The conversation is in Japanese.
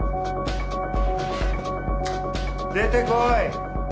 出てこい！